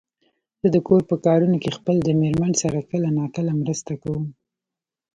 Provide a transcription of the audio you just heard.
زه د کور په کارونو کې خپل د مېرمن سره کله ناکله مرسته کوم.